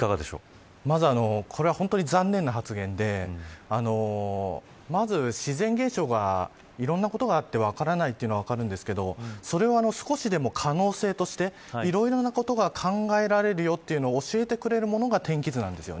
まずこれは本当に残念な発言で自然現象が、いろんなことがあって分からないというのは分かるんですけれどそれを少しでも、可能性としていろいろなことが考えられるよというものを教えてくれるのが天気図なんです。